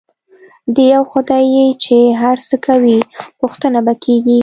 دی او خدای یې چې هر څه کوي، پوښتنه به کېږي.